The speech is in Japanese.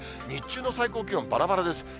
日中の最高気温、ばらばらです。